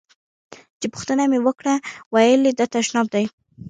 چې پوښتنه مې وکړه ویل یې دا تشناب دی.